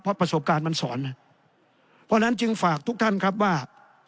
เพราะประสบการณ์มันสอนเพราะฉะนั้นจึงฝากทุกท่านครับว่า